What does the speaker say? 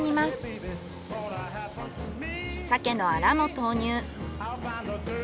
鮭のあらも投入。